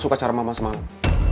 suka cara mama semangat